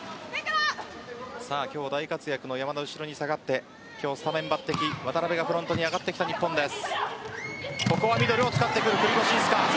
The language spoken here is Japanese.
今日大活躍の山田後ろに下がってスタメン抜擢、渡邊がフロントに上がってきた日本です。